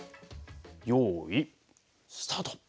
よーい、スタート！